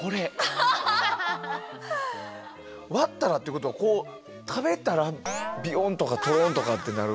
割ったらってことはこう食べたらビヨンとかトロンとかってなる。